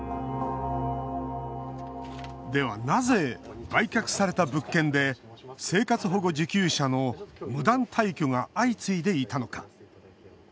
では、なぜ、売却された物件で生活保護受給者の無断退去が相次いでいたのか。